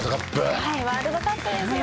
はいワールドカップですよ。